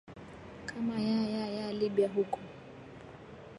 kama ya ya ya libya huko